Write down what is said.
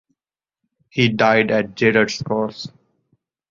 He died at Gerrards Cross.